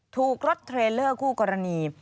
ถูกรถเทรลเลอร์คู่กรณี